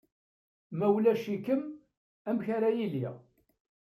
Ma ulac-ikem, amek ar ad iliɣ.